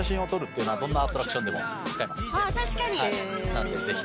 なんでぜひ。